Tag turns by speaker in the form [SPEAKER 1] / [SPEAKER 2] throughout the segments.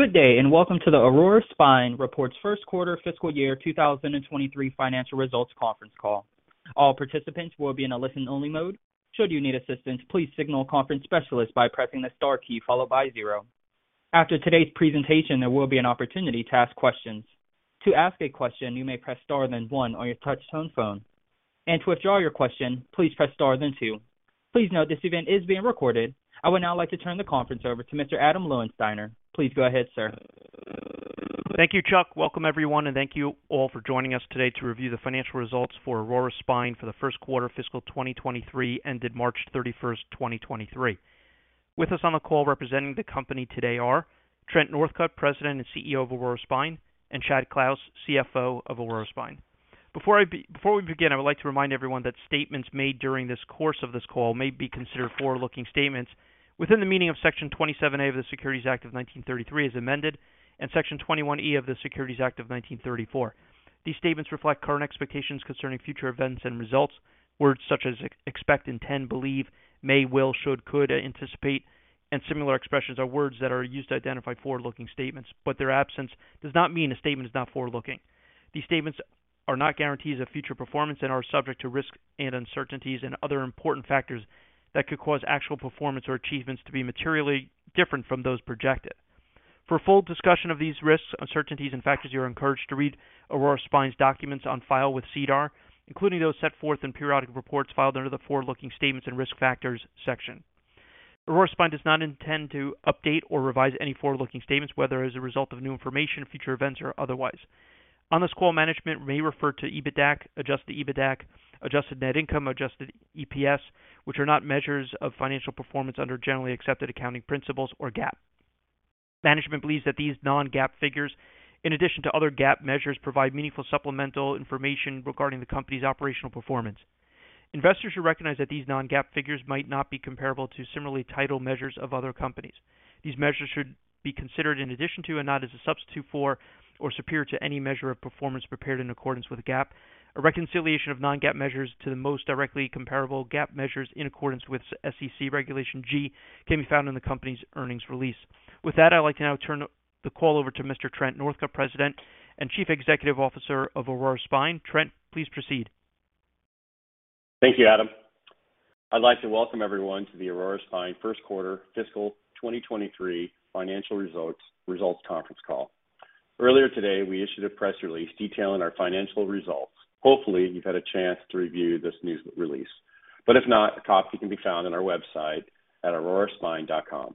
[SPEAKER 1] Good day, and welcome to the Aurora Spine reports first quarter fiscal year 2023 financial results conference call. All participants will be in a listen-only mode. Should you need assistance, please signal a conference specialist by pressing the star key followed by zero. After today's presentation, there will be an opportunity to ask questions. To ask a question, you may press star then one on your touch-tone phone. To withdraw your question, please press star then two. Please note this event is being recorded. I would now like to turn the conference over to Mr. Adam Loewenstein. Please go ahead, sir.
[SPEAKER 2] Thank you, Chuck. Welcome, everyone, and thank you all for joining us today to review the financial results for Aurora Spine for the first quarter fiscal 2023 ended March 31, 2023. With us on the call representing the company today are Trent Northcutt, President and CEO of Aurora Spine, and Chad Clouse, CFO of Aurora Spine. Before we begin, I would like to remind everyone that statements made during this course of this call may be considered forward-looking statements within the meaning of Section 27A of the Securities Act of 1933, as amended, and Section 21E of the Securities Exchange Act of 1934. These statements reflect current expectations concerning future events and results. Words such as expect, intend, believe, may, will, should, could, anticipate, and similar expressions are words that are used to identify forward-looking statements, but their absence does not mean a statement is not forward-looking. These statements are not guarantees of future performance and are subject to risks and uncertainties and other important factors that could cause actual performance or achievements to be materially different from those projected. For a full discussion of these risks, uncertainties, and factors, you are encouraged to read Aurora Spine's documents on file with SEDAR, including those set forth in periodic reports filed under the Forward-Looking Statements and Risk Factors section. Aurora Spine does not intend to update or revise any forward-looking statements, whether as a result of new information, future events, or otherwise. On this call, management may refer to EBITDA, adjusted EBITDA, adjusted net income, adjusted EPS, which are not measures of financial performance under generally accepted accounting principles or GAAP. Management believes that these non-GAAP figures, in addition to other GAAP measures, provide meaningful supplemental information regarding the company's operational performance. Investors should recognize that these non-GAAP figures might not be comparable to similarly titled measures of other companies. These measures should be considered in addition to and not as a substitute for or superior to any measure of performance prepared in accordance with GAAP. A reconciliation of non-GAAP measures to the most directly comparable GAAP measures in accordance with SEC Regulation G can be found in the company's earnings release. I'd like to now turn the call over to Mr. Trent Northcutt, President and Chief Executive Officer of Aurora Spine. Trent, please proceed.
[SPEAKER 3] Thank you, Adam. I'd like to welcome everyone to the Aurora Spine first quarter fiscal 2023 financial results conference call. Earlier today, we issued a press release detailing our financial results. Hopefully, you've had a chance to review this news release. If not, a copy can be found on our website at auroraspine.com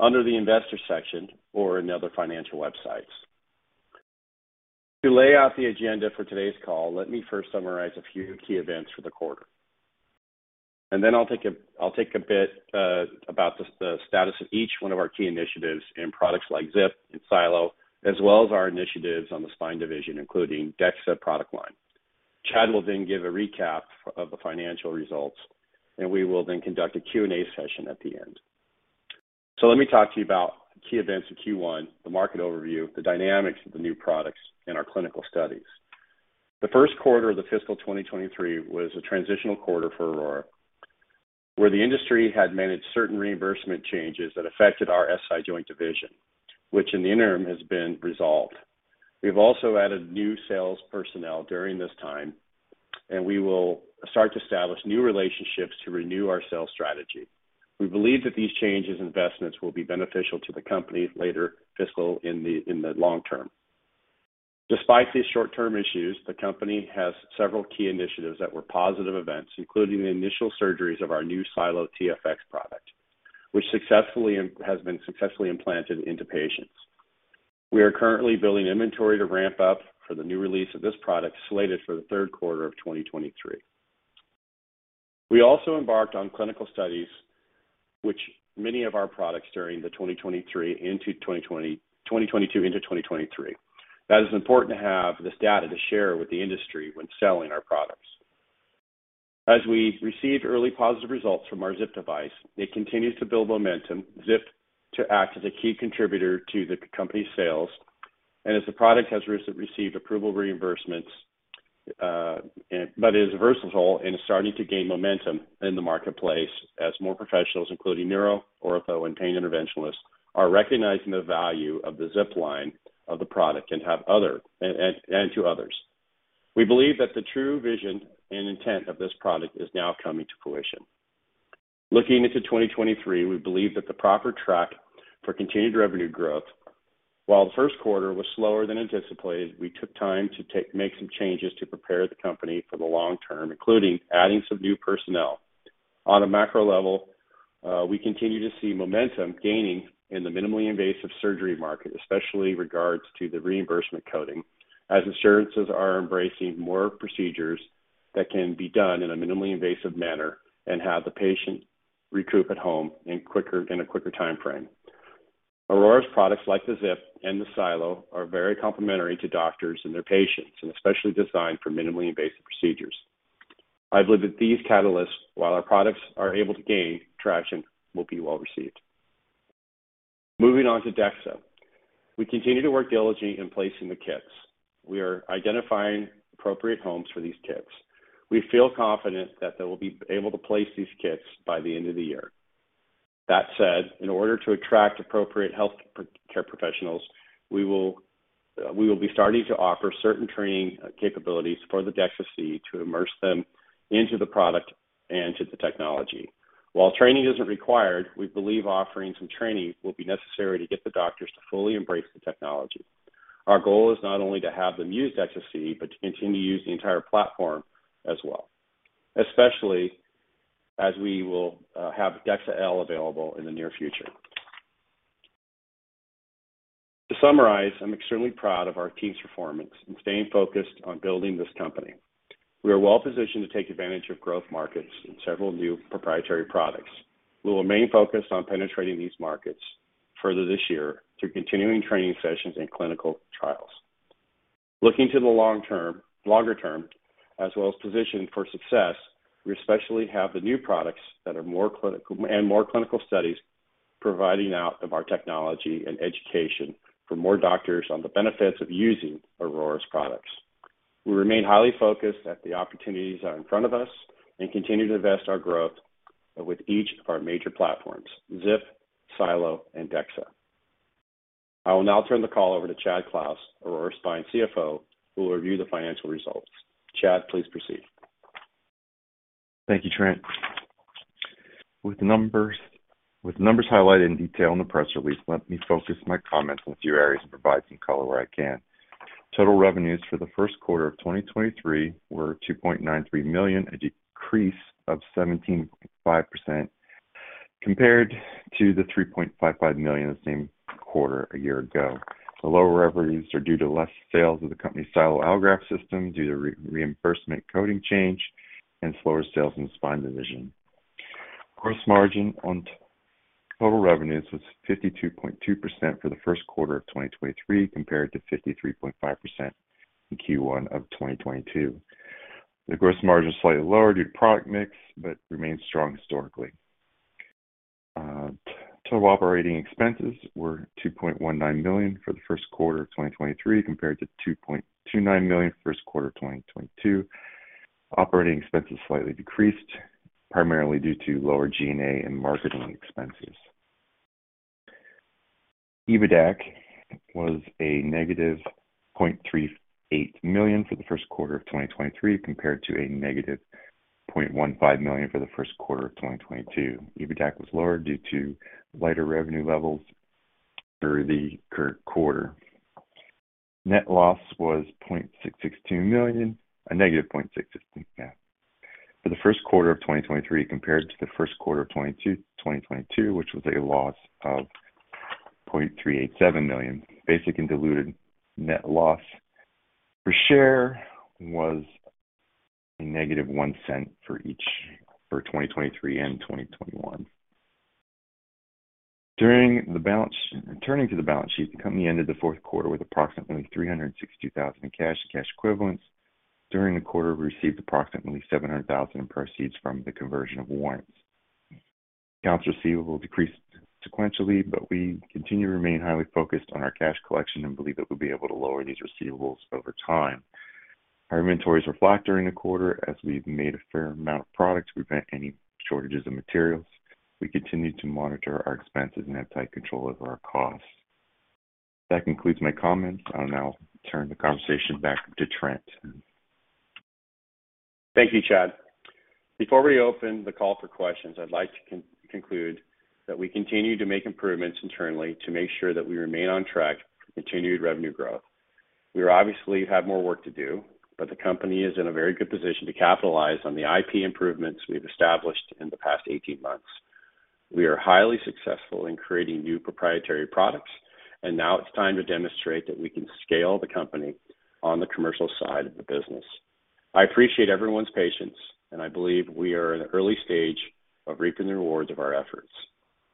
[SPEAKER 3] under the investor section or in other financial websites. To lay out the agenda for today's call, let me first summarize a few key events for the quarter. Then I'll take a bit about the status of each one of our key initiatives in products like ZIP and SiLO, as well as our initiatives on the spine division, including DEXA product line. Chad will then give a recap of the financial results. We will then conduct a Q&A session at the end. Let me talk to you about key events in Q1, the market overview, the dynamics of the new products in our clinical studies. The first quarter of the fiscal 2023 was a transitional quarter for Aurora, where the industry had managed certain reimbursement changes that affected our SI joint division, which in the interim has been resolved. We've also added new sales personnel during this time, and we will start to establish new relationships to renew our sales strategy. We believe that these changes and investments will be beneficial to the company later fiscal in the long term. Despite these short-term issues, the company has several key initiatives that were positive events, including the initial surgeries of our new SiLO TFX product, which has been successfully implanted into patients. We are currently building inventory to ramp up for the new release of this product, slated for the third quarter of 2023. We also embarked on clinical studies which many of our products during the 2022 into 2023. That is important to have this data to share with the industry when selling our products. As we received early positive results from our ZIP device, it continues to build momentum, ZIP, to act as a key contributor to the company's sales. As the product has received approval reimbursements, but is versatile and is starting to gain momentum in the marketplace as more professionals, including neuro, ortho, and pain interventionalists, are recognizing the value of the ZIP line of the product and have other and to others. We believe that the true vision and intent of this product is now coming to fruition. Looking into 2023, we believe that the proper track for continued revenue growth, while the first quarter was slower than anticipated, we took time to make some changes to prepare the company for the long term, including adding some new personnel. On a macro level, we continue to see momentum gaining in the minimally invasive surgery market, especially regards to the reimbursement coding, as insurances are embracing more procedures that can be done in a minimally invasive manner and have the patient recoup at home in a quicker timeframe. Aurora's products, like the ZIP and the SiLO, are very complementary to doctors and their patients and especially designed for minimally invasive procedures. I believe that these catalysts, while our products are able to gain traction, will be well received. Moving on to DEXA. We continue to work diligently in placing the kits. We are identifying appropriate homes for these kits. We feel confident that they will be able to place these kits by the end of the year. Said, in order to attract appropriate healthcare professionals, we will be starting to offer certain training capabilities for the DEXA-C to immerse them into the product and to the technology. While training isn't required, we believe offering some training will be necessary to get the doctors to fully embrace the technology. Our goal is not only to have them use DEXA-C, but to continue to use the entire platform as well, especially as we will have DEXA-L available in the near future. To summarize, I'm extremely proud of our team's performance in staying focused on building this company. We are well-positioned to take advantage of growth markets in several new proprietary products. We will remain focused on penetrating these markets further this year through continuing training sessions and clinical trials. Looking to the longer term as well as positioning for success, we especially have the new products that are more clinical studies providing out of our technology and education for more doctors on the benefits of using Aurora's products. We remain highly focused at the opportunities that are in front of us and continue to invest our growth with each of our major platforms, ZIP, SiLO, and DEXA. I will now turn the call over to Chad Clouse, Aurora's Spine CFO, who will review the financial results. Chad, please proceed.
[SPEAKER 4] Thank you, Trent. With numbers highlighted in detail in the press release, let me focus my comments on a few areas and provide some color where I can. Total revenues for the first quarter of 2023 were $2.93 million, a decrease of 17.5% compared to the $3.55 million the same quarter a year ago. The lower revenues are due to less sales of the company's SiLO Allograft system due to reimbursement coding change and slower sales in the spine division. Gross margin on total revenues was 52.2% for the first quarter of 2023 compared to 53.5% in Q1 of 2022. The gross margin is slightly lower due to product mix but remains strong historically. Total operating expenses were $2.19 million for the first quarter of 2023 compared to $2.29 million first quarter of 2022. Operating expenses slightly decreased, primarily due to lower G&A and marketing expenses. EBITDA was a negative $0.38 million for the first quarter of 2023 compared to a negative $0.15 million for the first quarter of 2022. EBITDA was lower due to lighter revenue levels for the current quarter. Net loss was $0.662 million. A negative $0.662 for the first quarter of 2023 compared to the first quarter of 2022, which was a loss of $0.387 million. Basic and diluted net loss per share was a negtive $0.01 for each for 2023 and 2021. Turning to the balance sheet, the company ended the fourth quarter with approximately $362,000 in cash and cash equivalents. During the quarter, we received approximately $700,000 in proceeds from the conversion of warrants. Accounts receivable decreased sequentially, but we continue to remain highly focused on our cash collection and believe that we'll be able to lower these receivables over time. Our inventories were flat during the quarter as we've made a fair amount of products to prevent any shortages of materials. We continue to monitor our expenses and have tight control over our costs. That concludes my comments. I'll now turn the conversation back to Trent.
[SPEAKER 3] Thank you, Chad. Before we open the call for questions, I'd like to conclude that we continue to make improvements internally to make sure that we remain on track for continued revenue growth. We obviously have more work to do, but the company is in a very good position to capitalize on the IP improvements we've established in the past 18 months. We are highly successful in creating new proprietary products, and now it's time to demonstrate that we can scale the company on the commercial side of the business. I appreciate everyone's patience, and I believe we are in the early stage of reaping the rewards of our efforts.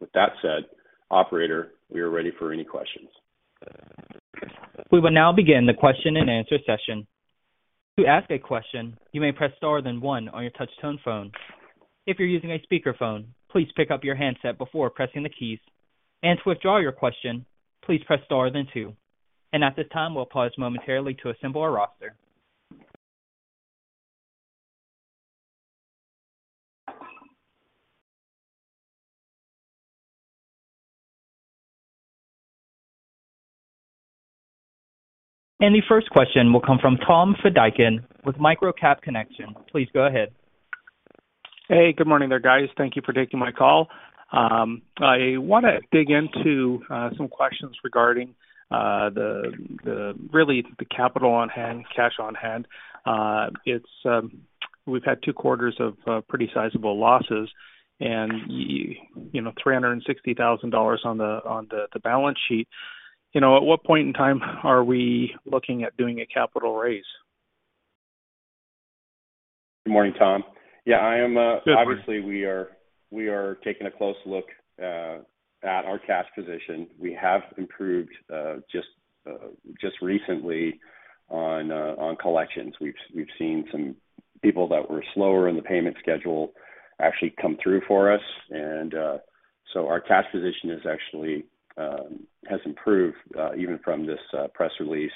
[SPEAKER 3] With that said, operator, we are ready for any questions.
[SPEAKER 1] We will now begin the question-and-answer session. To ask a question, you may press star then one on your touch-tone phone. If you're using a speakerphone, please pick up your handset before pressing the keys. To withdraw your question, please press star then two. At this time, we'll pause momentarily to assemble our roster. The first question will come from Tom Fedichin with MicroCap Connection. Please go ahead.
[SPEAKER 5] Hey, good morning there, guys. Thank you for taking my call. I wanna dig into some questions regarding really the capital on hand, cash on hand. It's, we've had two quarters of pretty sizable losses and you know, $360,000 on the balance sheet. You know, at what point in time are we looking at doing a capital raise?
[SPEAKER 3] Good morning, Tom. Yeah, I am, obviously we are taking a close look at our cash position. We have improved just recently on collections. We've seen some people that were slower in the payment schedule actually come through for us. Our cash position is actually has improved even from this press release.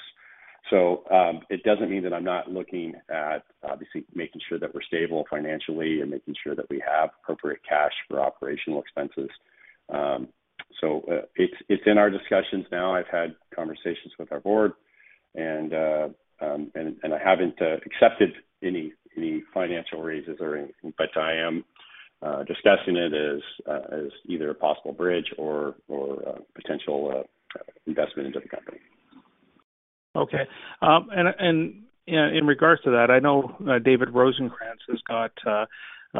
[SPEAKER 3] It doesn't mean that I'm not looking at obviously making sure that we're stable financially and making sure that we have appropriate cash for operational expenses. It's in our discussions now. I've had conversations with our board, and I haven't accepted any financial raises or anything, but I am discussing it as either a possible bridge or a potential investment into the company.
[SPEAKER 5] Okay. In regards to that, I know David Rosenkrantz has got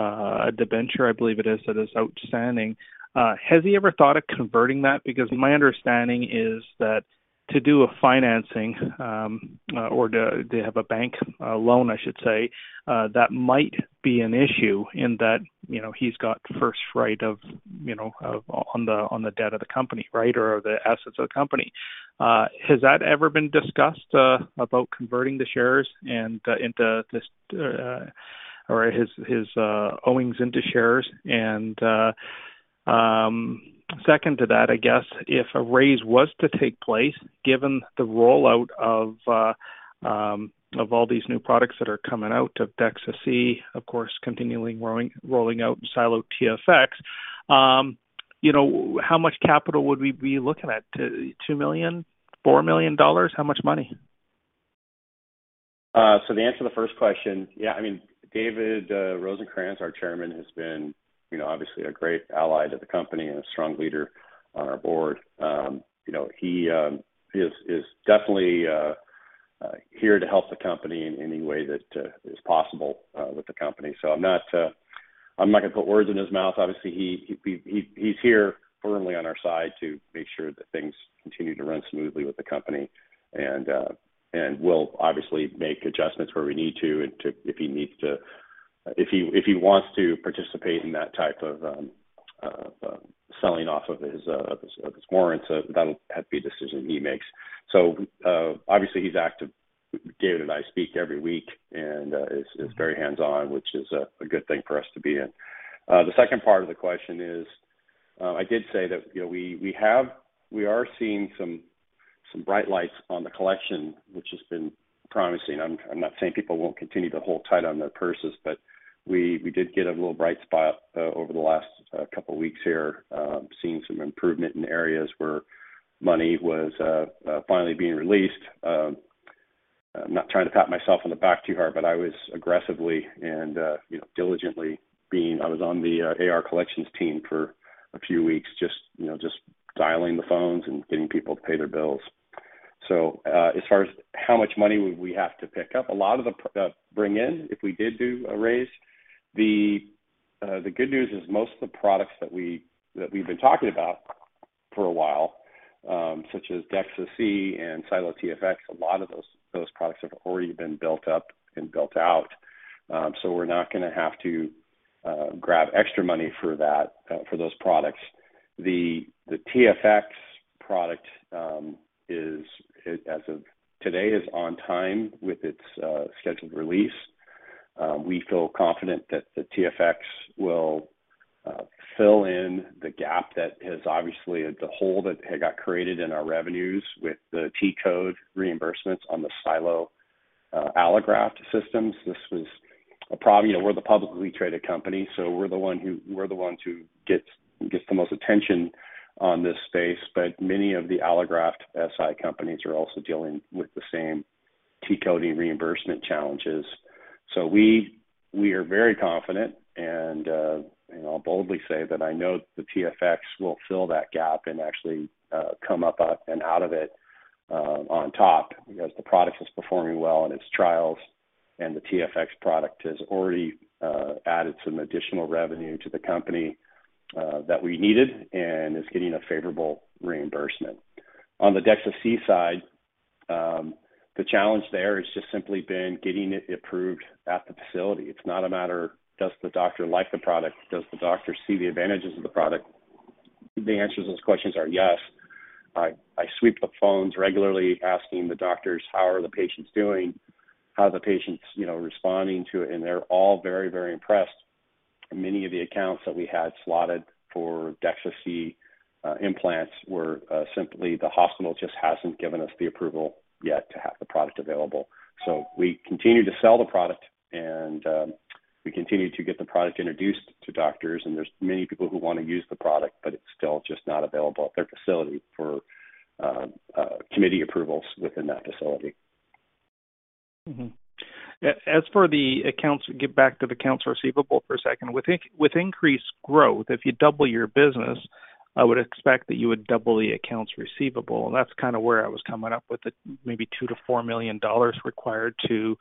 [SPEAKER 5] a debenture, I believe it is, that is outstanding. Has he ever thought of converting that? My understanding is that to do a financing, or to have a bank loan, I should say, that might be an issue in that, you know, he's got first right of, you know, of on the debt of the company, right, or the assets of the company. Has that ever been discussed about converting the shares and into this, or his owings into shares? second to that, I guess if a raise was to take place, given the rollout of all these new products that are coming out of DEXA-C, of course, continually rolling out SiLO TFX, you know, how much capital would we be looking at? $2 million, $4 million? How much money?
[SPEAKER 3] The answer to the first question, I mean, David Rosenkrantz, our chairman, has been, you know, obviously a great ally to the company and a strong leader on our board. You know, he is definitely here to help the company in any way that is possible with the company. I'm not gonna put words in his mouth. Obviously, he's here firmly on our side to make sure that things continue to run smoothly with the company. We'll obviously make adjustments where we need to. If he wants to participate in that type of selling off of his warrants, that'll have to be a decision he makes. Obviously, he's active. David and I speak every week, is very hands-on, which is a good thing for us to be in. The second part of the question is, I did say that, you know, we are seeing some bright lights on the collection, which has been promising. I'm not saying people won't continue to hold tight on their purses, we did get a little bright spot over the last couple weeks here, seeing some improvement in areas where money was finally being released. I'm not trying to pat myself on the back too hard, I was aggressively and, you know, diligently I was on the AR collections team for a few weeks just, you know, just dialing the phones and getting people to pay their bills. As far as how much money would we have to pick up, a lot of the bring in if we did do a raise, the good news is most of the products that we've been talking about for a while, such as DEXA-C and SiLO TFX, a lot of those products have already been built up and built out. We're not gonna have to grab extra money for that for those products. The TFX product is as of today, is on time with its scheduled release. We feel confident that the TFX will fill in the hole that had got created in our revenues with the T code reimbursements on the SiLO Allograft systems. This was a problem. You know, we're the publicly traded company, we're the ones who get the most attention on this space. Many of the allograft SI companies are also dealing with the same T-coding reimbursement challenges. We are very confident and I'll boldly say that I know the TFX will fill that gap and actually come up and out of it on top because the product is performing well in its trials and the TFX product has already added some additional revenue to the company that we needed and is getting a favorable reimbursement. On the DEXA-C side, the challenge there has just simply been getting it approved at the facility. It's not a matter, does the doctor like the product? Does the doctor see the advantages of the product? The answers to those questions are yes. I sweep the phones regularly asking the doctors, "How are the patients doing? How are the patients, you know, responding to it?" They're all very, very impressed. Many of the accounts that we had slotted for DEXA-C implants were simply the hospital just hasn't given us the approval yet to have the product available. We continue to sell the product and we continue to get the product introduced to doctors, and there's many people who wanna use the product, but it's still just not available at their facility for committee approvals within that facility.
[SPEAKER 5] As for the accounts, get back to the accounts receivable for a second. With increased growth, if you double your business, I would expect that you would double the accounts receivable. That's kind of where I was coming up with the maybe $2 million-$4 million required to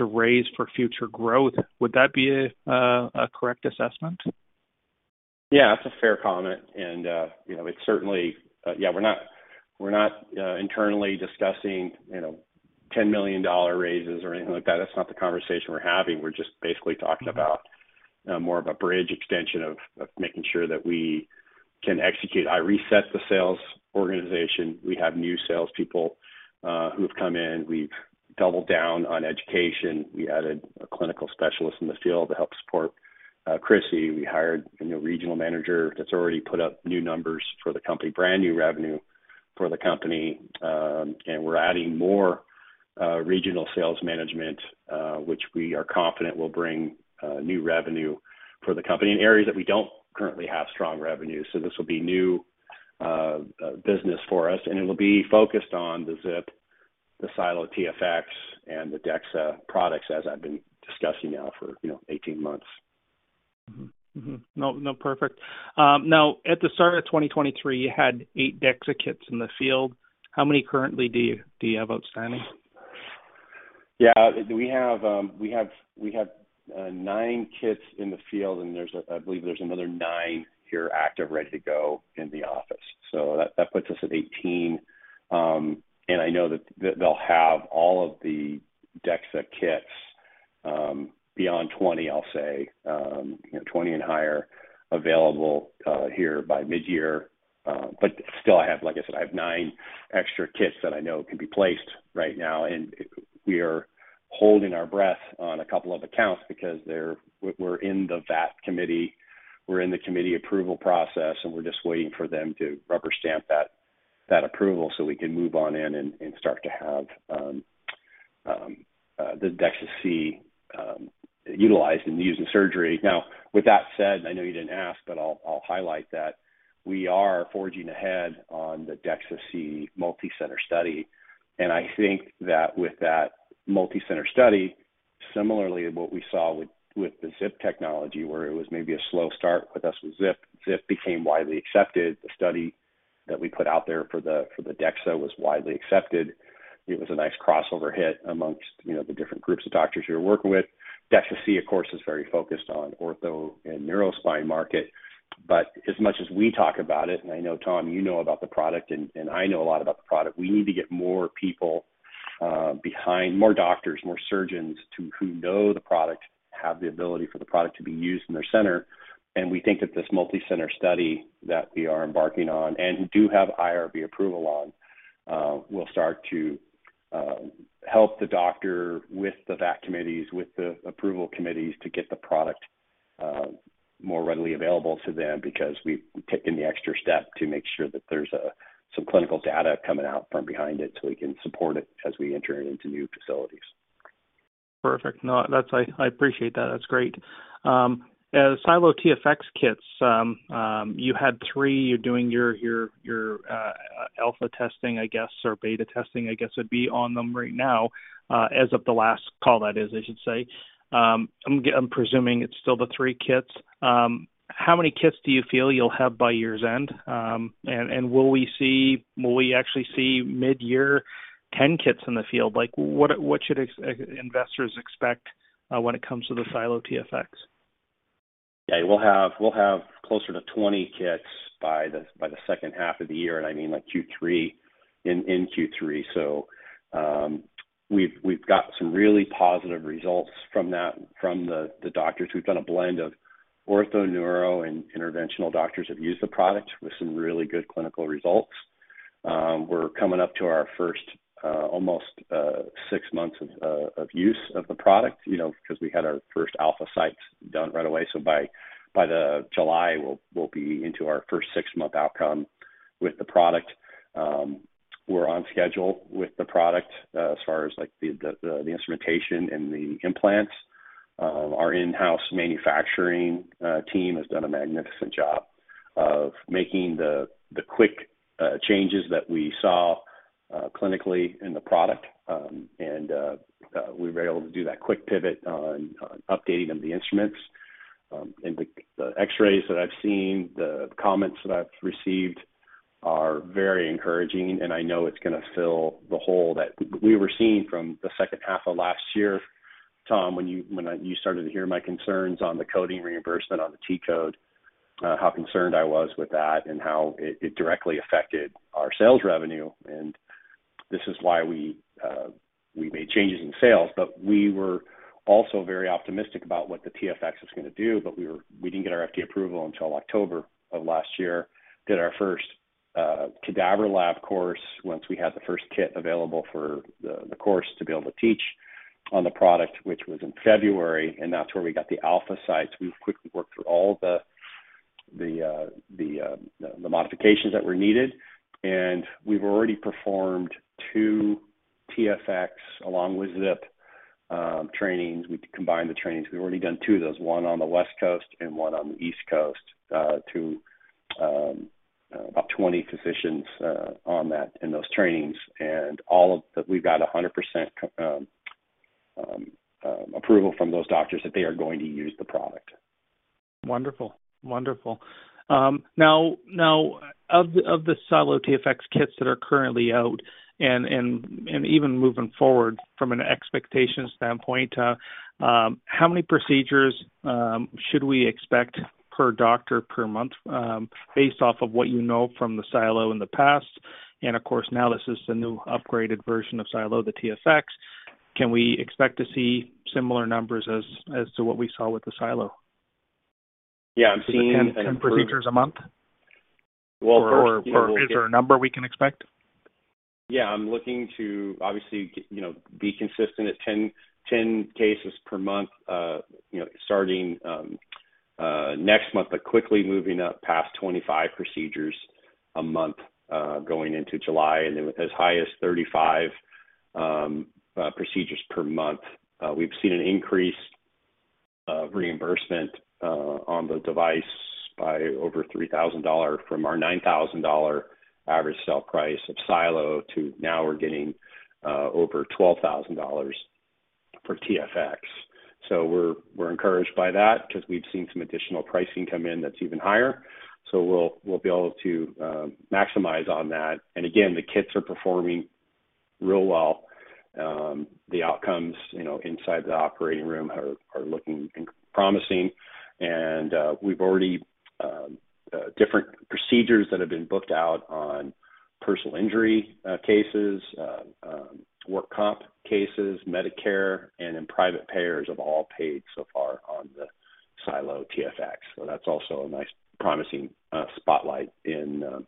[SPEAKER 5] raise for future growth. Would that be a correct assessment?
[SPEAKER 3] Yeah, that's a fair comment. You know, it's certainly... yeah, we're not internally discussing, you know, $10 million raises or anything like that. That's not the conversation we're having. We're just basically talking about more of a bridge extension of making sure that we can execute. I reset the sales organization. We have new sales people who have come in. We've doubled down on education. We added a clinical specialist in the field to help support Chrissy. We hired a new regional manager that's already put up new numbers for the company, brand new revenue for the company. We're adding more regional sales management, which we are confident will bring new revenue for the company in areas that we don't currently have strong revenue. This will be new business for us, and it'll be focused on the ZIP, the SiLO TFX, and the DEXA products, as I've been discussing now for, you know, 18 months.
[SPEAKER 5] Mm-hmm. Mm-hmm. No, no, perfect. Now, at the start of 2023, you had eight DEXA kits in the field. How many currently do you have outstanding?
[SPEAKER 3] Yeah. We have nine kits in the field, and I believe there's another nine here active, ready to go in the office. That puts us at 18, and I know that they'll have all of the DEXA kits, beyond 20, I'll say, you know, 20 and higher available here by midyear. Still, I have, like I said, I have nine extra kits that I know can be placed right now, and we are holding our breath on a couple of accounts because we're in the VAC committee. We're in the committee approval process, and we're just waiting for them to rubber-stamp that approval so we can move on in and start to have the DEXA-C utilized and used in surgery. With that said, I know you didn't ask, but I'll highlight that we are forging ahead on the DEXA-C multicenter study. I think that with that multicenter study, similarly what we saw with the ZIP technology, where it was maybe a slow start with us with ZIP became widely accepted. The study that we put out there for the DEXA was widely accepted. It was a nice crossover hit amongst, you know, the different groups of doctors you were working with. DEXA-C, of course, is very focused on ortho and neuro spine market. As much as we talk about it, and I know, Tom, you know about the product and I know a lot about the product, we need to get more people behind, more doctors, more surgeons who know the product, have the ability for the product to be used in their center. We think that this multicenter study that we are embarking on and do have IRB approval on, will start to help the doctor with the VAC committees, with the approval committees to get the product more readily available to them because we've taken the extra step to make sure that there's some clinical data coming out from behind it, so we can support it as we enter into new facilities.
[SPEAKER 5] Perfect. No, that's. I appreciate that. That's great. As SiLO TFX kits, you had three. You're doing your alpha testing, I guess, or beta testing, I guess, would be on them right now, as of the last call, that is, I should say. I'm presuming it's still the three kits. How many kits do you feel you'll have by year's end? Will we actually see midyear 10 kits in the field? Like, what should investors expect, when it comes to the SiLO TFX?
[SPEAKER 3] We'll have closer to 20 kits by the second half of the year, I mean, like Q3, in Q3. We've got some really positive results from the doctors. We've done a blend of ortho, neuro, and interventional doctors have used the product with some really good clinical results. We're coming up to our first almost six months of use of the product, you know, because we had our first alpha sites done right away. By the July, we'll be into our first six-month outcome with the product. We're on schedule with the product as far as, like, the instrumentation and the implants. Our in-house manufacturing team has done a magnificent job of making the quick changes that we saw clinically in the product. We were able to do that quick pivot on updating of the instruments. The, the X-rays that I've seen, the comments that I've received are very encouraging, and I know it's gonna fill the hole that we were seeing from the second half of last year, Tom, when you, when you started to hear my concerns on the coding reimbursement on the T code, how concerned I was with that and how it directly affected our sales revenue. This is why we made changes in sales. We were also very optimistic about what the TFX was gonna do. We didn't get our FDA approval until October of last year. Did our first cadaver lab course once we had the first kit available for the course to be able to teach on the product, which was in February, and that's where we got the alpha sites. We've quickly worked through all the modifications that were needed, and we've already performed two TFX along with ZIP trainings. We combined the trainings. We've already done two of those, one on the West Coast and one on the East Coast, to about 20 physicians on that in those trainings. We've got 100% approval from those doctors that they are going to use the product.
[SPEAKER 5] Wonderful. Wonderful. now of the, of the SiLO TFX kits that are currently out and even moving forward from an expectation standpoint, how many procedures should we expect per doctor per month, based off of what you know from the SiLO in the past? Of course, now this is the new upgraded version of SiLO, the TFX. Can we expect to see similar numbers as to what we saw with the SiLO?
[SPEAKER 3] Yeah. I'm seeing-
[SPEAKER 5] 10 procedures a month?
[SPEAKER 3] Well, first-.
[SPEAKER 5] Is there a number we can expect?
[SPEAKER 3] Yeah, I'm looking to obviously you know, be consistent at 10 cases per month, you know, starting next month, quickly moving up past 25 procedures a month, going into July, and then as high as 35 procedures per month. We've seen an increase reimbursement on the device by over $3,000 from our $9,000 average sale price of SiLO to now we're getting over $12,000 for TFX. We're encouraged by that because we've seen some additional pricing come in that's even higher. We'll be able to maximize on that. Again, the kits are performing real well. The outcomes, you know, inside the operating room are looking promising. We've already different procedures that have been booked out on personal injury cases, work comp cases, Medicare, and then private payers have all paid so far on the SiLO TFX. That's also a nice promising spotlight in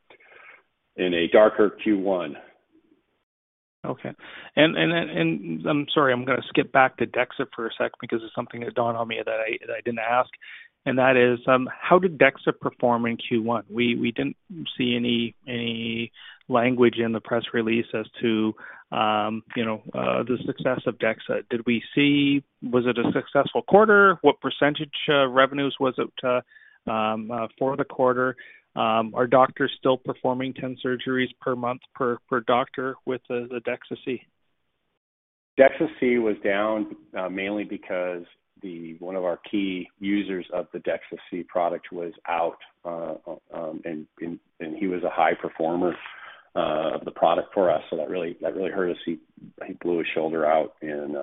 [SPEAKER 3] a darker Q1.
[SPEAKER 5] Okay. I'm sorry, I'm gonna skip back to DEXA for a sec because there's something that dawned on me that I didn't ask, that is, how did DEXA perform in Q1? We didn't see any language in the press release as to, you know, the success of DEXA. Was it a successful quarter? What percentage revenues was it for the quarter? Are doctors still performing 10 surgeries per month per doctor with the DEXA-C?
[SPEAKER 3] DEXA-C was down, mainly because one of our key users of the DEXA-C product was out, and he was a high performer of the product for us. That really hurt us. He blew his shoulder out in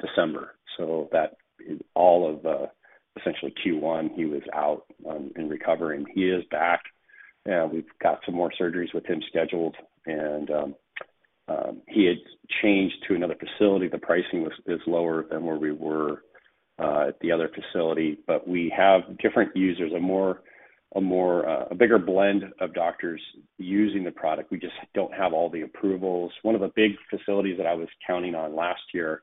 [SPEAKER 3] December, so that all of essentially Q1, he was out and recovering. He is back, and we've got some more surgeries with him scheduled. He had changed to another facility. The pricing was, is lower than where we were at the other facility. We have different users, a more, a bigger blend of doctors using the product. We just don't have all the approvals. One of the big facilities that I was counting on last year,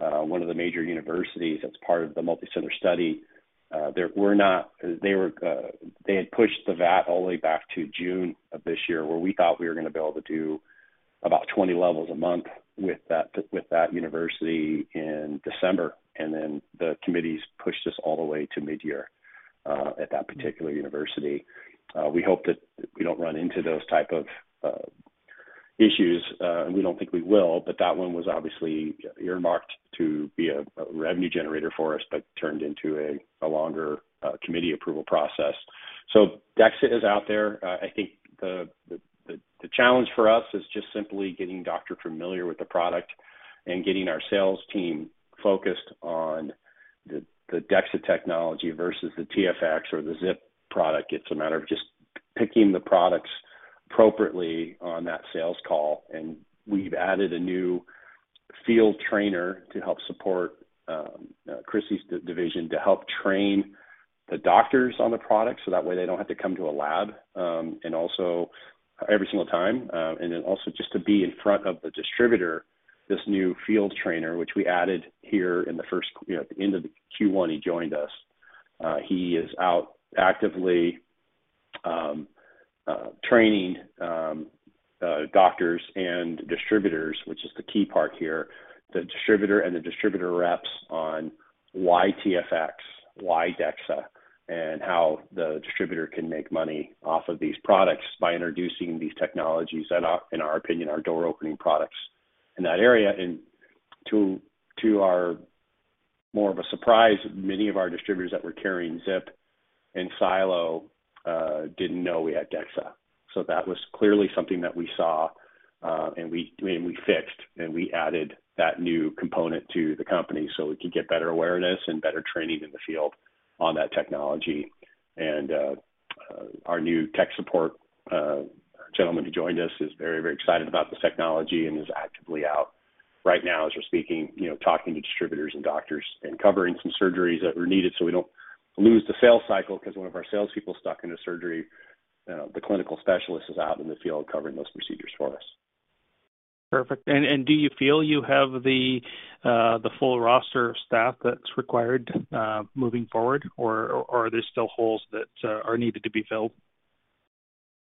[SPEAKER 3] one of the major universities that's part of the multicenter study, they were, they had pushed the VAT all the way back to June of this year, where we thought we were gonna be able to do about 20 levels a month with that, with that university in December, and then the committees pushed us all the way to mid-year at that particular university. We hope that we don't run into those type of issues, and we don't think we will, but that one was obviously earmarked to be a revenue generator for us, but turned into a longer committee approval process. DEXA is out there. I think the challenge for us is just simply getting doctors familiar with the product and getting our sales team focused on the DEXA Technology versus the TFX or the ZIP product. It's a matter of just picking the products appropriately on that sales call. We've added a new field trainer to help support Chris' division to help train the doctors on the product, so that way they don't have to come to a lab and also every single time and then also just to be in front of the distributor. This new field trainer, which we added here, you know, at the end of the Q1, he joined us. He is out actively training doctors and distributors, which is the key part here. The distributor and the distributor reps on why TFX, why DEXA, and how the distributor can make money off of these products by introducing these technologies that are, in our opinion, are door-opening products in that area. To our more of a surprise, many of our distributors that were carrying ZIP and SiLO, didn't know we had DEXA. That was clearly something that we saw, and we, and we fixed, and we added that new component to the company, so we could get better awareness and better training in the field on that technology. Our new tech support gentleman who joined us is very excited about this technology and is actively out right now as we're speaking, you know, talking to distributors and doctors and covering some surgeries that were needed so we don't lose the sales cycle 'cause one of our sales people is stuck in a surgery. The clinical specialist is out in the field covering those procedures for us.
[SPEAKER 5] Perfect. Do you feel you have the full roster of staff that's required moving forward? Or are there still holes that are needed to be filled?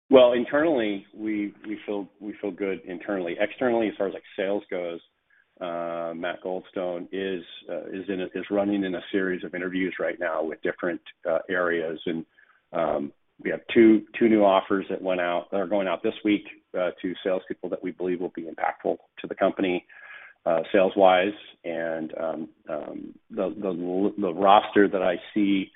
[SPEAKER 3] Well, internally, we feel good internally. Externally, as far as, like, sales goes, Matt Goldstone is running in a series of interviews right now with different areas. We have two new offers that are going out this week to salespeople that we believe will be impactful to the company sales-wise. The roster that I see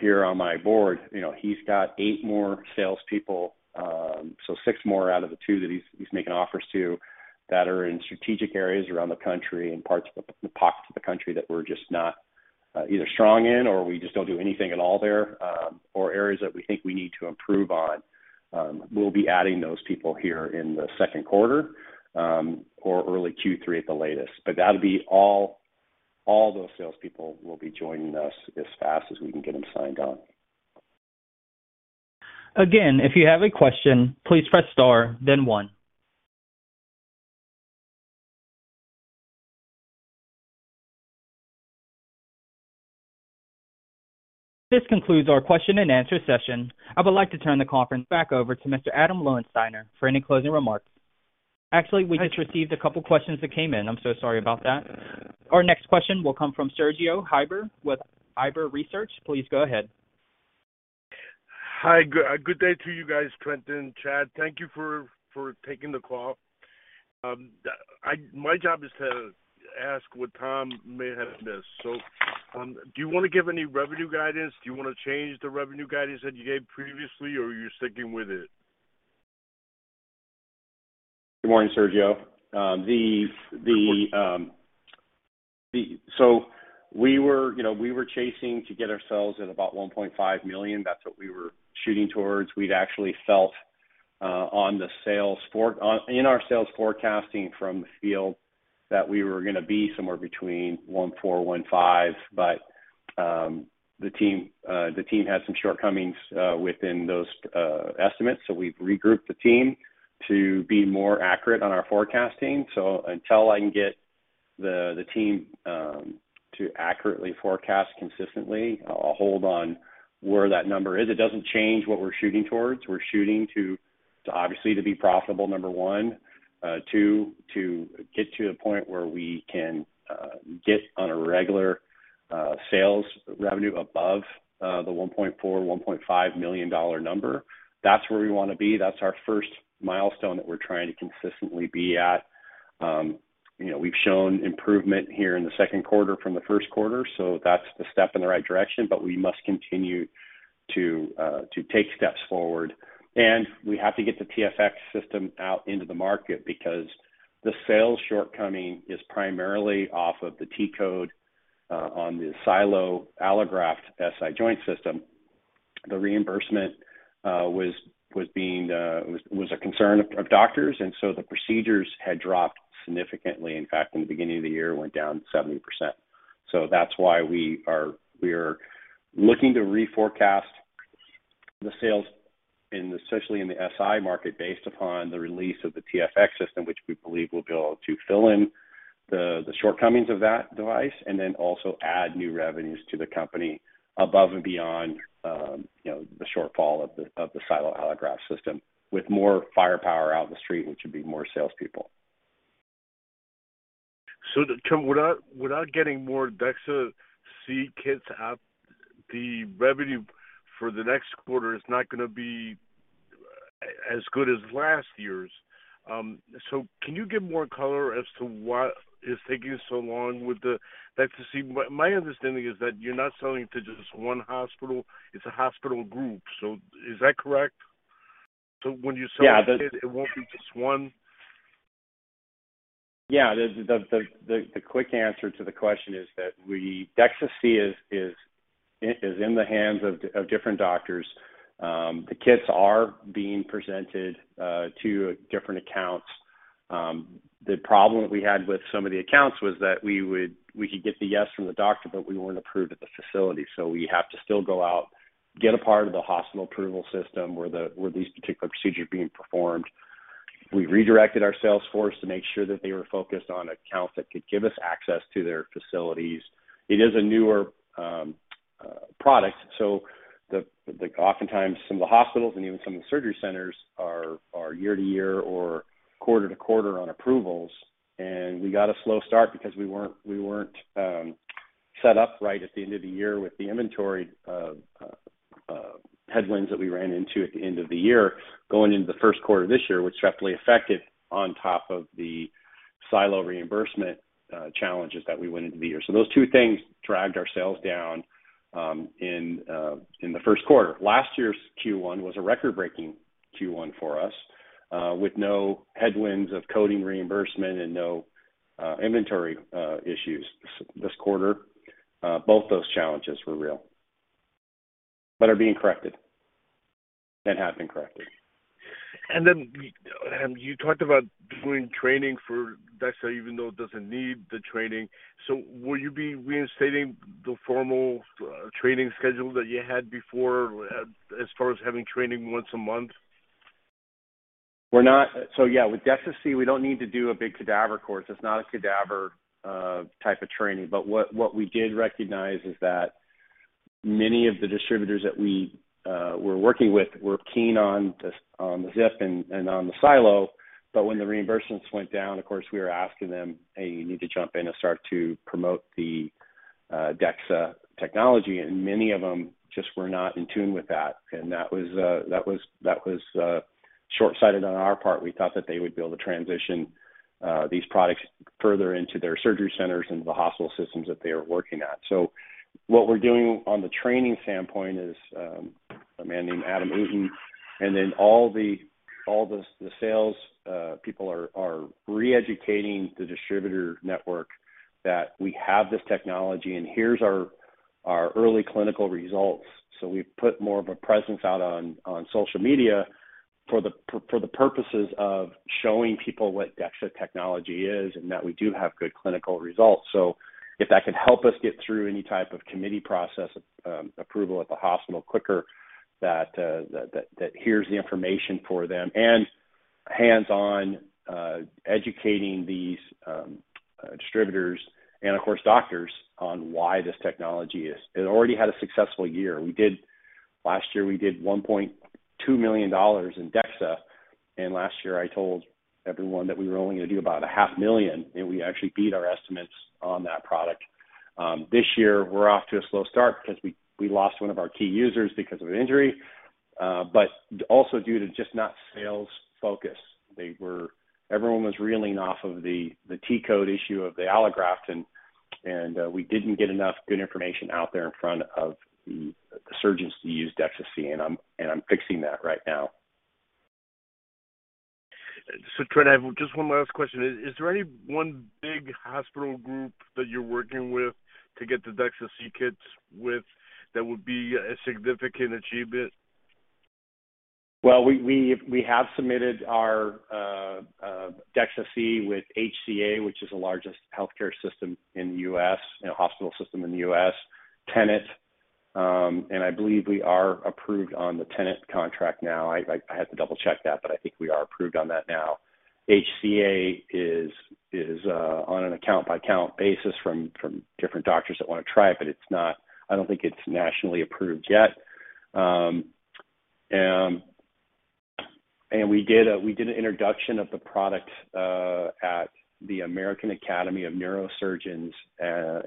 [SPEAKER 3] here on my board, you know, he's got eight more salespeople, so six more out of the two that he's making offers to that are in strategic areas around the country and pockets of the country that we're just not either strong in or we just don't do anything at all there, or areas that we think we need to improve on. We'll be adding those people here in the second quarter, or early Q3 at the latest. That'll be all those salespeople will be joining us as fast as we can get them signed on.
[SPEAKER 1] Again, if you have a question, please press star, then one. This concludes our question and answer session. I would like to turn the conference back over to Mr. Adam Loewenstein for any closing remarks. Actually, we just received a couple of questions that came in. I'm so sorry about that. Our next question will come from Sergio Heiber with Heiber Research. Please go ahead.
[SPEAKER 6] Hi. Good day to you guys, Trent and Chad. Thank you for taking the call. My job is to ask what Tom may have missed. Do you want to give any revenue guidance? Do you want to change the revenue guidance that you gave previously, or are you sticking with it?
[SPEAKER 3] Good morning, Sergio. We were, you know, chasing to get ourselves at about $1.5 million. That's what we were shooting towards. We'd actually felt in our sales forecasting from the field that we were gonna be somewhere between $1.4-$1.5. The team had some shortcomings within those estimates, we've regrouped the team to be more accurate on our forecasting. Until I can get the team to accurately forecast consistently, I'll hold on where that number is. It doesn't change what we're shooting towards. We're shooting to obviously to be profitable, number one. Two, to get to a point where we can get on a regular sales revenue above the $1.4 million-$1.5 million number. That's where we wanna be. That's our first milestone that we're trying to consistently be at. You know, we've shown improvement here in the second quarter from the first quarter. That's the step in the right direction, but we must continue to take steps forward. We have to get the TFX system out into the market because the sales shortcoming is primarily off of the T code on the SiLO Allograft SI joint system. The reimbursement was being a concern of doctors, the procedures had dropped significantly. In fact, in the beginning of the year, it went down 70%. That's why we are looking to reforecast the sales in, especially in the SI market, based upon the release of the TFX system, which we believe will be able to fill in the shortcomings of that device and then also add new revenues to the company above and beyond, you know, the shortfall of the, of the SiLO Allograft system with more firepower out in the street, which would be more salespeople.
[SPEAKER 6] Without getting more DEXA-C kits out, the revenue for the next quarter is not gonna be as good as last year's. Can you give more color as to what is taking so long with the DEXA-C? My understanding is that you're not selling to just one hospital, it's a hospital group. Is that correct? When you sell.
[SPEAKER 3] Yeah.
[SPEAKER 6] the kit, it won't be just one?
[SPEAKER 3] Yeah. The quick answer to the question is that DEXA-C is in the hands of different doctors. The kits are being presented to different accounts. The problem we had with some of the accounts was that we could get the yes from the doctor, but we weren't approved at the facility. We have to still go out, get a part of the hospital approval system where these particular procedures are being performed. We redirected our sales force to make sure that they were focused on accounts that could give us access to their facilities. It is a newer product, the oftentimes some of the hospitals and even some of the surgery centers are year to year or quarter to quarter on approvals. We got a slow start because we weren't set up right at the end of the year with the inventory headwinds that we ran into at the end of the year going into the first quarter this year, which definitely affected on top of the SiLO reimbursement challenges that we went into the year. Those two things dragged our sales down in the first quarter. Last year's Q1 was a record-breaking Q1 for us with no headwinds of coding reimbursement and no inventory issues this quarter. Both those challenges were real, but are being corrected and have been corrected.
[SPEAKER 6] You talked about doing training for DEXA even though it doesn't need the training. Will you be reinstating the formal training schedule that you had before as far as having training once a month?
[SPEAKER 3] We're not. Yeah, with DEXA-C, we don't need to do a big cadaver course. It's not a cadaver type of training. What we did recognize is that many of the distributors that we were working with were keen on the ZIP and on the SiLO. When the reimbursements went down, of course, we were asking them, "Hey, you need to jump in and start to promote the DEXA Technology." Many of them just were not in tune with that. That was shortsighted on our part. We thought that they would be able to transition these products further into their surgery centers and the hospital systems that they are working at. What we're doing on the training standpoint is, a man named Adam Eaton, and then all the sales people are re-educating the distributor network that we have this technology, and here's our early clinical results. We've put more of a presence out on social media for the purposes of showing people what DEXA Technology is and that we do have good clinical results. If that can help us get through any type of committee process, approval at the hospital quicker, that here's the information for them. Hands-on educating these distributors and of course, doctors on why this technology is. It already had a successful year. Last year, we did $1.2 million in DEXA, and last year I told everyone that we were only gonna do about a half million, and we actually beat our estimates on that product. This year, we're off to a slow start because we lost one of our key users because of an injury, but also due to just not sales focus. Everyone was reeling off of the T code issue of the allograft, and we didn't get enough good information out there in front of the surgeons to use DEXA-C, and I'm fixing that right now.
[SPEAKER 6] Trent, I have just one last question. Is there any one big hospital group that you're working with to get the DEXA-C kits with that would be a significant achievement?
[SPEAKER 3] Well, we have submitted our DEXA-C with HCA, which is the largest healthcare system in the U.S., you know, hospital system in the U.S. Tenet. I believe we are approved on the Tenet contract now. I had to double-check that, I think we are approved on that now. HCA is on an account-by-account basis from different doctors that wanna try it, I don't think it's nationally approved yet. We did an introduction of the product at the American Academy of Neurosurgeons, at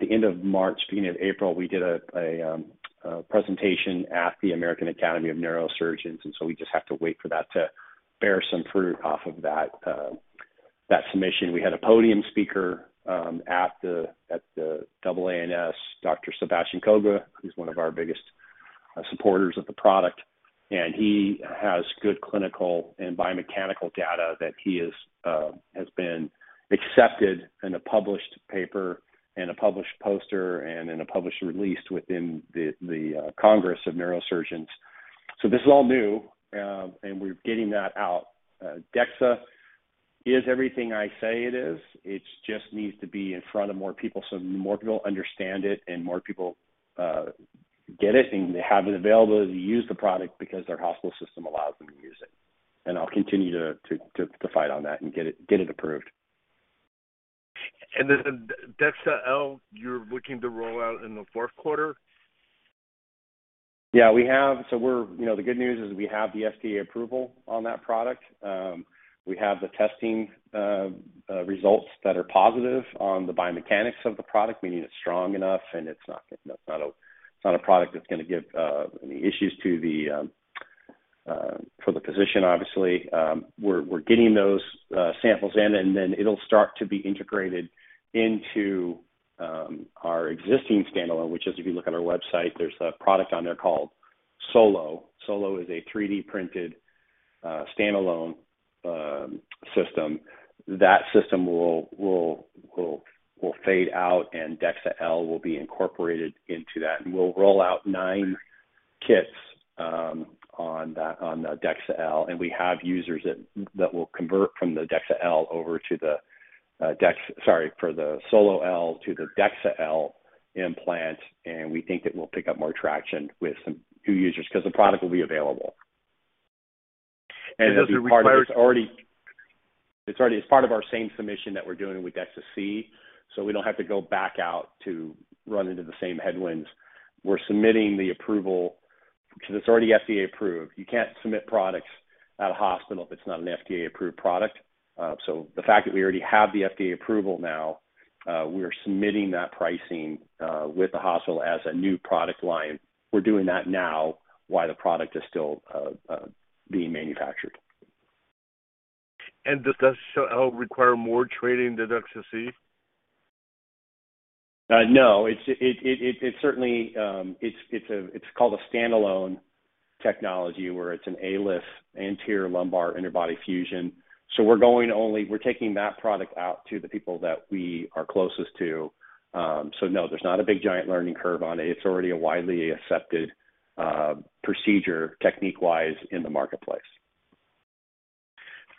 [SPEAKER 3] the end of March, beginning of April, we did a presentation at the American Academy of Neurosurgeons, we just have to wait for that to bear some fruit off of that submission. We had a podium speaker at the AANS, Dr. Sebastian Koga, who's one of our biggest supporters of the product, and he has good clinical and biomechanical data that he has been accepted in a published paper, in a published poster, and in a published release within the Congress of Neurological Surgeons. This is all new, and we're getting that out. DEXA is everything I say it is. It just needs to be in front of more people, so more people understand it and more people get it, and they have it available to use the product because their hospital system allows them to use it. I'll continue to fight on that and get it approved.
[SPEAKER 6] The DEXA-L, you're looking to roll out in the fourth quarter?
[SPEAKER 3] Yeah, we have. You know, the good news is we have the FDA approval on that product. We have the testing results that are positive on the biomechanics of the product. We need it strong enough, and it's not a product that's gonna give any issues to the physician, obviously. We're getting those samples in, and then it'll start to be integrated into our existing standalone, which is if you look at our website, there's a product on there called SOLO. SOLO is a 3D-printed standalone system. That system will fade out, and DEXA-L will be incorporated into that. We'll roll out nine kits on that, on the DEXA-L, and we have users that will convert from the DEXA-L over to the Sorry, for the SOLO-L to the DEXA-L implant. We think it will pick up more traction with some new users 'cause the product will be available. As a part of it's already...
[SPEAKER 6] Does it require-?
[SPEAKER 3] It's part of our same submission that we're doing with DEXA-C. We don't have to go back out to run into the same headwinds. We're submitting the approval because it's already FDA-approved. You can't submit products at a hospital if it's not an FDA-approved product. The fact that we already have the FDA approval now, we are submitting that pricing with the hospital as a new product line. We're doing that now while the product is still being manufactured.
[SPEAKER 6] Does DEXA-L require more training than DEXA-C?
[SPEAKER 3] No. It's certainly, it's called a standalone technology, where it's an ALIF, Anterior Lumbar Interbody Fusion. We're taking that product out to the people that we are closest to. No, there's not a big, giant learning curve on it. It's already a widely accepted, procedure technique-wise in the marketplace.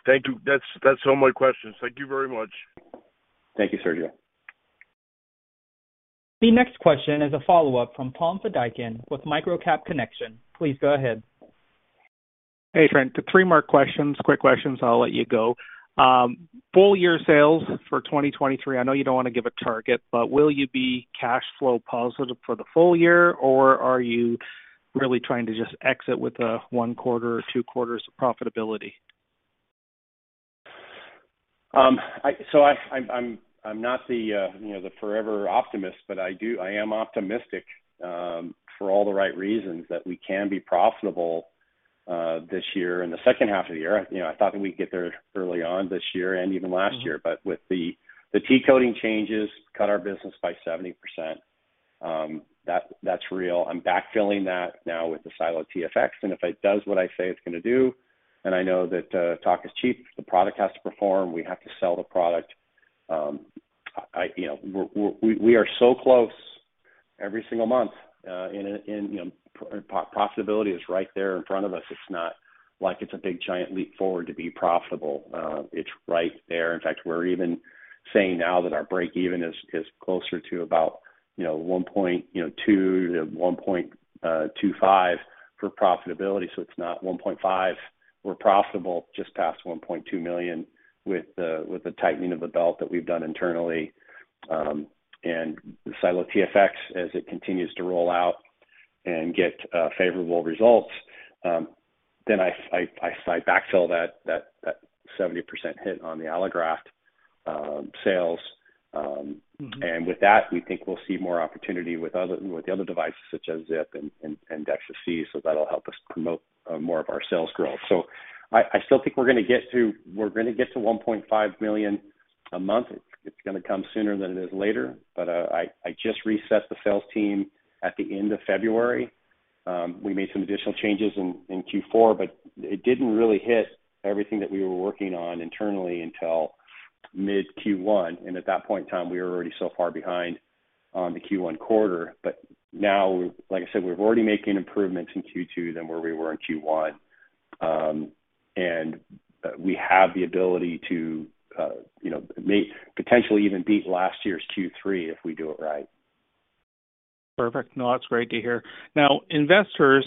[SPEAKER 6] Thank you. That's all my questions. Thank you very much.
[SPEAKER 3] Thank you, Sergio.
[SPEAKER 1] The next question is a follow-up from Tom Fedichin with MicroCap Connection. Please go ahead.
[SPEAKER 5] Hey, Trent. The three more questions, quick questions, I'll let you go. Full year sales for 2023, I know you don't want to give a target, but will you be cash flow positive for the full year, or are you really trying to just exit with a one quarter or two quarters of profitability?
[SPEAKER 3] I'm not the, you know, the forever optimist, but I do, I am optimistic, for all the right reasons that we can be profitable. This year, in the second half of the year, you know, I thought that we'd get there early on this year and even last year. With the T coding changes cut our business by 70%. That's real. I'm backfilling that now with the SiLO TFX, and if it does what I say it's gonna do, and I know that talk is cheap, the product has to perform, we have to sell the product. I, you know, we are so close every single month, and, you know, profitability is right there in front of us. It's not like it's a big, giant leap forward to be profitable. It's right there. In fact, we're even saying now that our break even is closer to about, you know, $1.2 million-$1.25 million for profitability, so it's not $1.5 million. We're profitable just past $1.2 million with the tightening of the belt that we've done internally. The SiLO TFX, as it continues to roll out and get favorable results, then I backfill that 70% hit on the allograft sales.
[SPEAKER 5] Mm-hmm.
[SPEAKER 3] With that, we think we'll see more opportunity with the other devices such as ZIP and DEXA-C, so that'll help us promote more of our sales growth. I still think we're gonna get to $1.5 million a month. It's gonna come sooner than it is later. I just reset the sales team at the end of February. We made some additional changes in Q4, but it didn't really hit everything that we were working on internally until mid Q1. At that point in time, we were already so far behind on the Q1 quarter. Now, like I said, we're already making improvements in Q2 than where we were in Q1. We have the ability to, you know, potentially even beat last year's Q3 if we do it right.
[SPEAKER 5] Perfect. No, that's great to hear. Now, investors,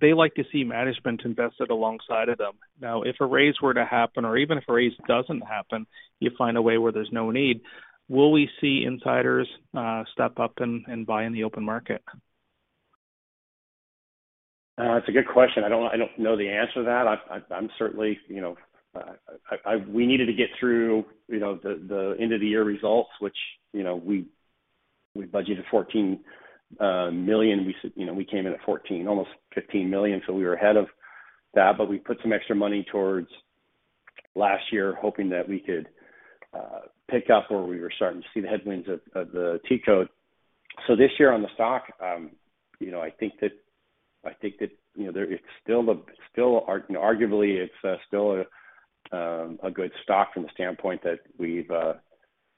[SPEAKER 5] they like to see management invested alongside of them. Now, if a raise were to happen or even if a raise doesn't happen, you find a way where there's no need, will we see insiders, step up and buy in the open market?
[SPEAKER 3] It's a good question. I don't know the answer to that. I'm certainly, you know, we needed to get through, you know, the end of the year results, which, you know, we budgeted $14 million. You know, we came in at $14, almost $15 million, so we were ahead of that. We put some extra money towards last year hoping that we could pick up where we were starting to see the headwinds of the T code. This year on the stock, you know, I think that, I think that, you know, there is still a, arguably, it's still a good stock from the standpoint that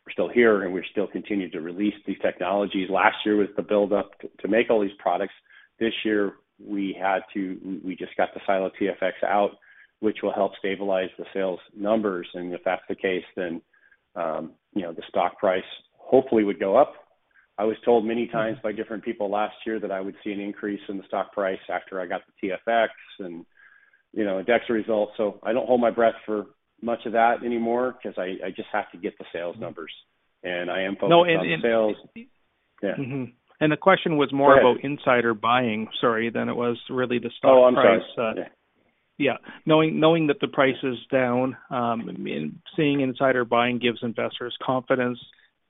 [SPEAKER 3] we're still here, and we still continue to release these technologies. Last year was the build-up to make all these products. This year, we just got the SiLO TFX out, which will help stabilize the sales numbers. If that's the case, then, you know, the stock price hopefully would go up. I was told many times by different people last year that I would see an increase in the stock price after I got the TFX and, you know, a DEXA result. I don't hold my breath for much of that anymore 'cause I just have to get the sales numbers, and I am focused on sales.
[SPEAKER 5] No.
[SPEAKER 3] Yeah.
[SPEAKER 5] Mm-hmm. The question was more-
[SPEAKER 3] Go ahead.
[SPEAKER 5] about insider buying, sorry, than it was really the stock price.
[SPEAKER 3] Oh, I'm sorry. Yeah.
[SPEAKER 5] Yeah. Knowing that the price is down, seeing insider buying gives investors confidence.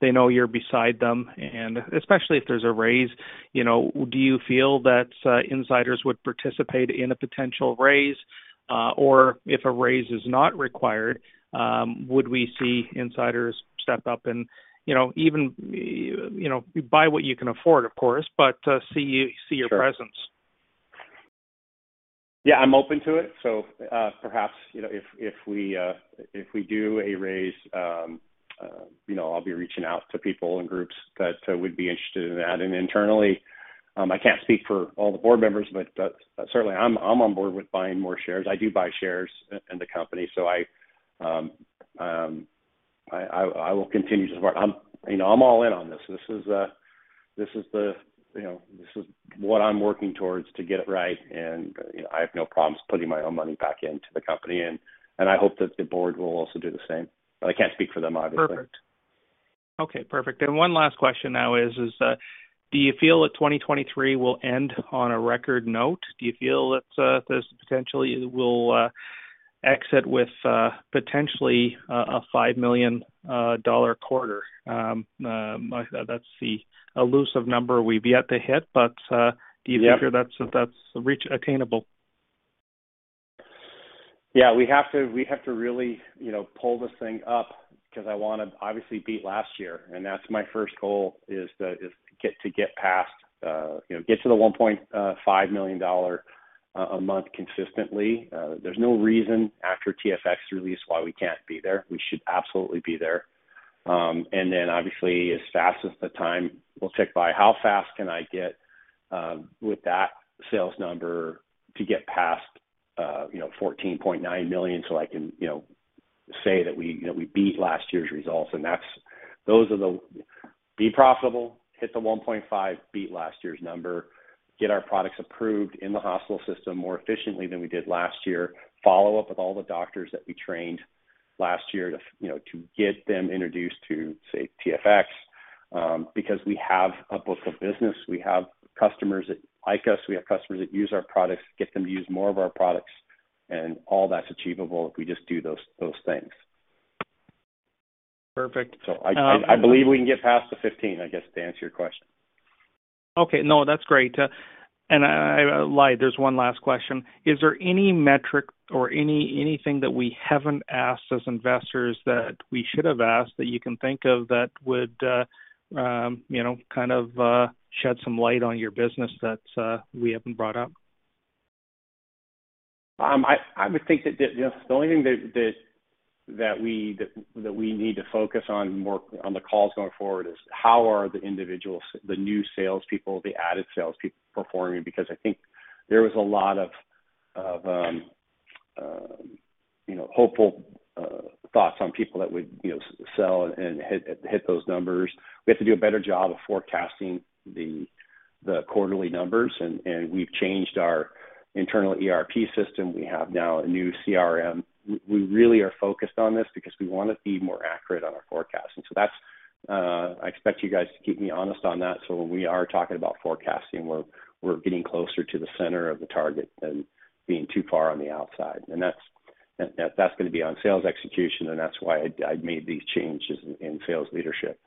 [SPEAKER 5] They know you're beside them, and especially if there's a raise. You know, do you feel that insiders would participate in a potential raise? If a raise is not required, would we see insiders step up and, you know, even, you know, buy what you can afford, of course, but see your presence?
[SPEAKER 3] Sure. Yeah, I'm open to it. Perhaps, you know, if we do a raise, you know, I'll be reaching out to people and groups that would be interested in that. Internally, I can't speak for all the board members, but certainly I'm on board with buying more shares. I do buy shares in the company, so I will continue to support. I'm, you know, I'm all in on this. This is, this is the, you know, this is what I'm working towards to get it right, and, you know, I have no problems putting my own money back into the company and I hope that the board will also do the same, but I can't speak for them, obviously.
[SPEAKER 5] Perfect. Okay, perfect. One last question now is, do you feel that 2023 will end on a record note? Do you feel that this potentially will exit with potentially a $5 million quarter? That's the elusive number we've yet to hit, but.
[SPEAKER 3] Yeah.
[SPEAKER 5] Do you feel that's attainable?
[SPEAKER 3] Yeah. We have to really, you know, pull this thing up 'cause I wanna obviously beat last year, and that's my first goal is to get past, you know, get to the $1.5 million a month consistently. There's no reason after TFX release why we can't be there. We should absolutely be there. Then obviously, as fast as the time will tick by, how fast can I get with that sales number to get past, you know, $14.9 million so I can, you know, say that we beat last year's results. Those are the... Be profitable, hit the 1.5, beat last year's number, get our products approved in the hospital system more efficiently than we did last year, follow up with all the doctors that we trained last year to, you know, to get them introduced to, say, TFX, because we have a book of business. We have customers that like us. We have customers that use our products, get them to use more of our products. All that's achievable if we just do those things.
[SPEAKER 5] Perfect.
[SPEAKER 3] I believe we can get past the 15, I guess, to answer your question.
[SPEAKER 5] Okay. No, that's great. I lied. There's one last question. Is there any metric or anything that we haven't asked as investors that we should have asked that you can think of that would, you know, kind of, shed some light on your business that we haven't brought up?
[SPEAKER 3] I would think that the only thing that we need to focus on more on the calls going forward is how are the individuals, the new salespeople, the added salespeople performing? Because I think there was a lot of, you know, hopeful thoughts on people that would, you know, sell and hit those numbers. We have to do a better job of forecasting the quarterly numbers and we've changed our internal ERP system. We have now a new CRM. We really are focused on this because we want to be more accurate on our forecasting. That's I expect you guys to keep me honest on that. So when we are talking about forecasting, we're getting closer to the center of the target than being too far on the outside. That's gonna be on sales execution, and that's why I'd made these changes in sales leadership.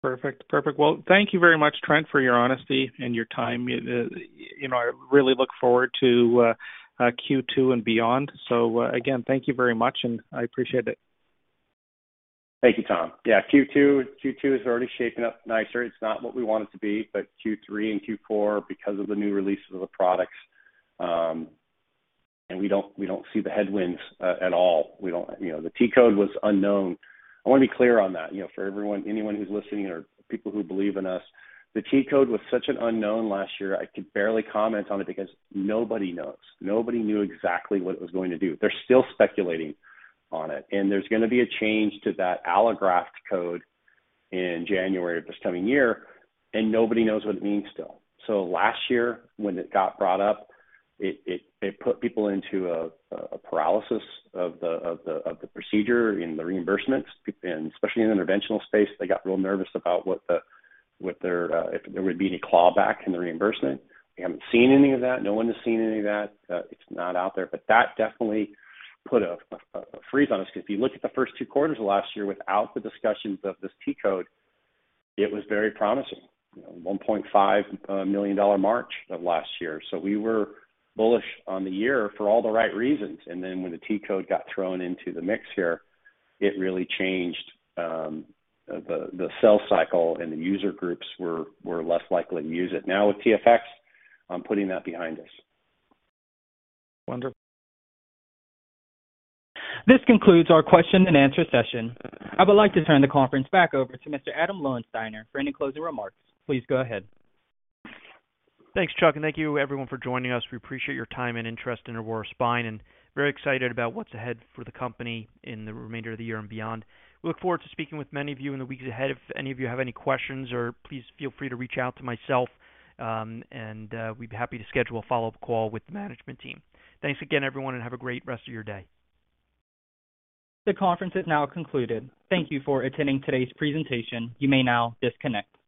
[SPEAKER 5] Perfect. Perfect. Well, thank you very much, Trent, for your honesty and your time. It, you know, I really look forward to Q2 and beyond. Again, thank you very much, and I appreciate it.
[SPEAKER 3] Thank you, Tom. Q2 is already shaping up nicer. It's not what we want it to be, but Q3 and Q4, because of the new releases of the products, and we don't see the headwinds at all. We don't. You know, the T code was unknown. I wanna be clear on that, you know, for everyone, anyone who's listening or people who believe in us, the T code was such an unknown last year. I could barely comment on it because nobody knows. Nobody knew exactly what it was going to do. They're still speculating on it. There's gonna be a change to that allograft code in January of this coming year, and nobody knows what it means still. Last year when it got brought up, it put people into a paralysis of the procedure in the reimbursements, and especially in the interventional space, they got real nervous about what their if there would be any clawback in the reimbursement. We haven't seen any of that. No one has seen any of that. It's not out there. That definitely put a freeze on us because if you look at the first two quarters of last year without the discussions of this T code, it was very promising. You know, $1.5 million March of last year. We were bullish on the year for all the right reasons. When the T code got thrown into the mix here, it really changed the sell cycle, and the user groups were less likely to use it. Now with TFX, I'm putting that behind us.
[SPEAKER 5] Wonderful.
[SPEAKER 1] This concludes our question and answer session. I would like to turn the conference back over to Mr. Adam Loewenstein for any closing remarks. Please go ahead.
[SPEAKER 2] Thanks, Chuck. Thank you everyone for joining us. We appreciate your time and interest in Aurora Spine, and very excited about what's ahead for the company in the remainder of the year and beyond. We look forward to speaking with many of you in the weeks ahead. If any of you have any questions or please feel free to reach out to myself, and we'd be happy to schedule a follow-up call with the management team. Thanks again, everyone. Have a great rest of your day.
[SPEAKER 1] The conference is now concluded. Thank you for attending today's presentation. You may now disconnect.